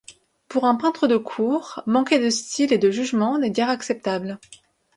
Pour un peintre de cour, manquer de style et de jugement n'est guère acceptable.